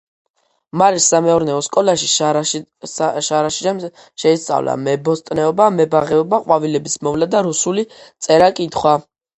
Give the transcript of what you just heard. მარის სამეურნეო სკოლაში შარაშიძემ შეისწავლა მებოსტნეობა, მებაღეობა, ყვავილების მოვლა და რუსული წერა-კითხვა.